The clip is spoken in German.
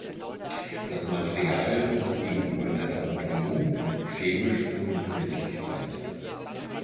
Das Material muss gegenüber seiner Umgebung chemisch unempfindlich sein.